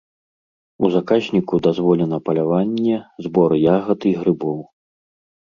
У заказніку дазволена паляванне, збор ягад і грыбоў.